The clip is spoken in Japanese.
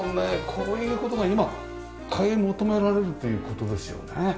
こういう事が今買い求められるという事ですよね。